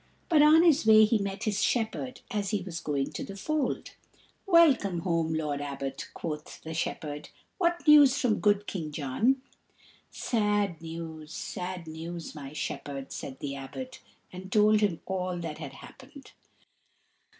But on his way he met his shepherd as he was going to the fold. "Welcome home, Lord Abbot," quoth the shepherd; "what news from good King John?" "Sad news, sad news, my shepherd," said the Abbot, and told him all that had happened.